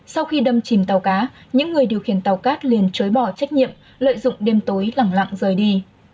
sau khi đâm chìm tàu cá những người điều khiển tàu cát liền chối bỏ trách nhiệm lợi dụng đêm tối lẳng lặng rời đi